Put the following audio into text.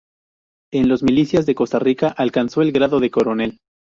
En los milicias de Costa Rica alcanzó el grado de coronel.